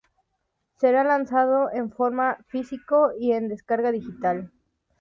Será lanzado en formato físico y en descarga digital.